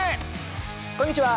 こんにちは！